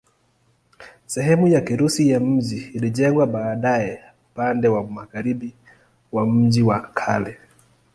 Sehemu ya Kirusi ya mji ilijengwa baadaye upande wa magharibi wa mji wa kale.